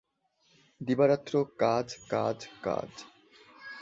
দিবারাত্র কাজ, কাজ, কাজ।